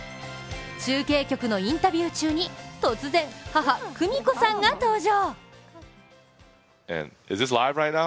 中継局のインタビュー中に突然、母・久美子さんが登場。